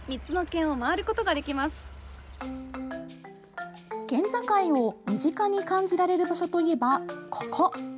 県境を身近に感じられる場所といえば、ここ。